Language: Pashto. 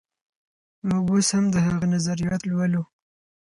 موږ اوس هم د هغه نظريات لولو.